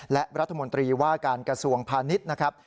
และรัฐมนตรีว่าการกระทรวงพาณิชย์นะครับ